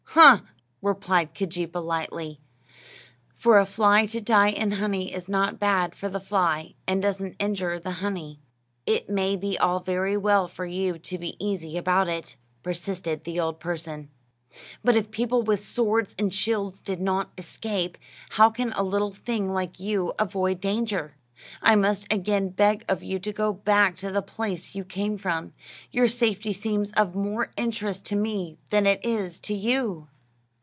"Huh!" replied Keejeepaa, lightly; "for a fly to die in honey is not bad for the fly, and doesn't injure the honey." "It may be all very well for you to be easy about it," persisted the old person; "but if people with swords and shields did not escape, how can a little thing like you avoid danger? I must again beg of you to go back to the place you came from. Your safety seems of more interest to me than it is to you."